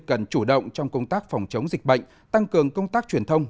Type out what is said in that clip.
cần chủ động trong công tác phòng chống dịch bệnh tăng cường công tác truyền thông